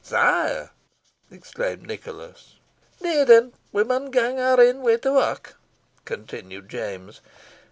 "Sire!" exclaimed Nicholas. "Nay, then, we maun gang our ain way to wark," continued James.